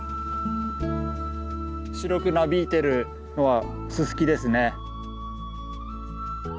白くなびいてるのはススキですね。